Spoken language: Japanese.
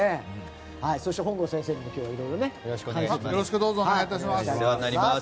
そして、本郷先生にも今日はいろいろお願いします。